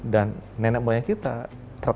dan nenek moyang kita terkenal karena berat